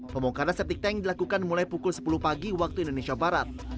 pembongkaran septic tank dilakukan mulai pukul sepuluh pagi waktu indonesia barat